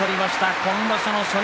今場所の初日。